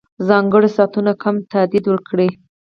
ځانګړو ساعتونو کم تادیه ورکړي.